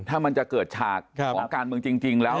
ถ้ามันจะเกิดฉากของการเมืองจริงแล้ว